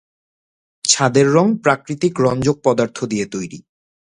ছাদের রং প্রাকৃতিক রঞ্জক পদার্থ দিয়ে তৈরি।